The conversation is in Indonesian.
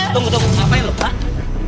tunggu tunggu ngapain lu pak